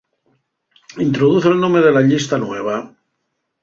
Introduz el nome de la llista nueva.